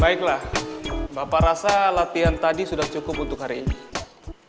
baiklah bapak rasa latihan tadi sudah cukup untuk hari ini